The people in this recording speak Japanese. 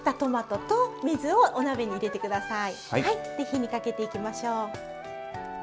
火にかけていきましょう。